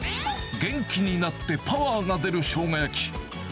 元気になってパワーが出るショウガ焼き。